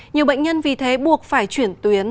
nhiều bệnh nhân vì thế buộc phải chuyển tuyến